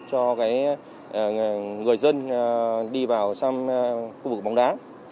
cho người dân đi vào khu vực bóng đá